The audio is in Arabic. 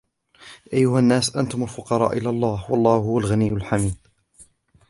يا أيها الناس أنتم الفقراء إلى الله والله هو الغني الحميد